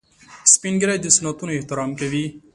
سپین ږیری د سنتونو احترام کوي